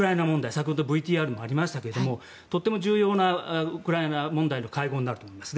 先ほどＶＴＲでもありましたがとても重要なウクライナ問題の会合になると思います。